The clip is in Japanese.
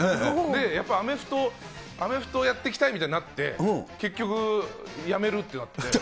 やっぱりアメフトやっていきたいみたいになって、結局やめるってなって。